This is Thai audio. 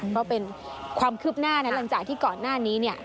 ก็เป็นความคืบหน้านะหลังจากที่ก่อนหน้านี้เนี่ย